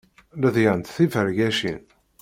Ledyent tifergacin.